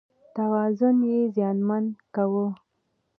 توازن یې زیانمن کاوه.